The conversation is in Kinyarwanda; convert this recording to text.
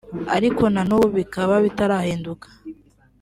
ariko na nubu bikaba bitarahinduka